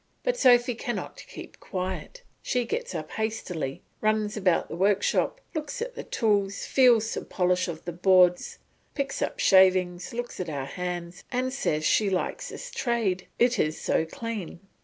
But Sophy cannot keep quiet; she gets up hastily, runs about the workshop, looks at the tools, feels the polish of the boards, picks up shavings, looks at our hands, and says she likes this trade, it is so clean.